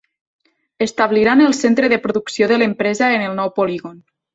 Establiran el centre de producció de l'empresa en el nou polígon.